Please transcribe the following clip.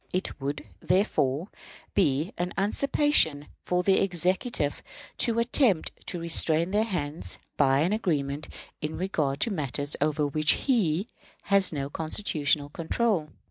It would, therefore, be a usurpation for the Executive to attempt to restrain their hands by an agreement in regard to matters over which he has no constitutional control.